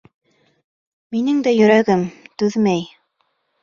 Минең дә йөрәгем түҙмәй.